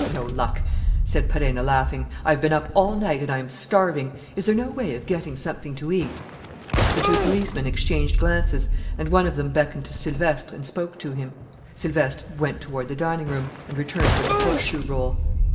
"No luck," said Perenna, laughing. "I have been up all night and I am starving. Is there no way of getting something to eat?" The two policemen exchanged glances and one of them beckoned to Silvestre and spoke to him. Silvestre went toward the dining room, and returned with a horseshoe roll.